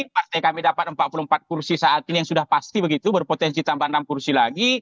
partai kami dapat empat puluh empat kursi saat ini yang sudah pasti begitu berpotensi tambah enam kursi lagi